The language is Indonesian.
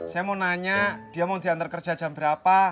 saya mau nanya dia mau diantar kerja jam berapa